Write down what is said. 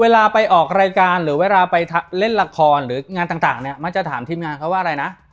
เวลาไปออกรายการหรือเวลาไปเล่นละครหรืองานต่างเนี่ยมักจะถามทีมงานเขาว่าอะไรนะ